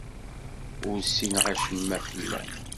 Ur ssineɣ acemma fell-am.